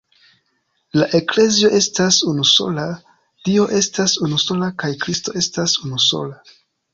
La Eklezio estas unusola, Dio estas unusola kaj Kristo estas unusola.